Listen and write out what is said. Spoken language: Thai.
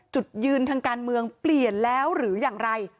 จุดยืนทางการเมืองเปลี่ยนแล้วหรืออย่างไร